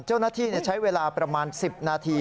เจ้าหน้าที่ใช้เวลาประมาณ๑๐นาที